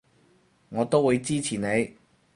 我都會支持你